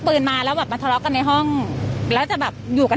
ปืนมาแล้วแบบมาทะเลาะกันในห้องแล้วจะแบบอยู่กัน